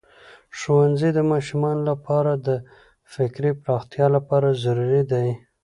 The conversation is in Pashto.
ښوونځی د ماشومانو لپاره د فکري پراختیا لپاره ضروری دی.